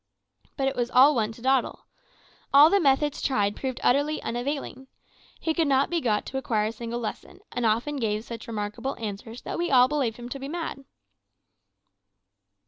But it was all one to Doddle. All the methods tried proved utterly unavailing. He could not be got to acquire a single lesson, and often gave such remarkable answers that we all believed him to be mad.